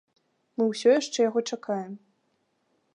Мы ўсё яшчэ яго чакаем.